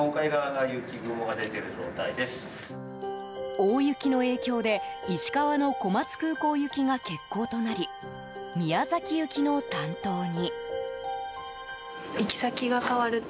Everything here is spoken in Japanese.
大雪の影響で石川の小松空港行きが欠航となり宮崎行きの担当に。